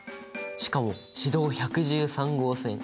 しかも市道１１３号線。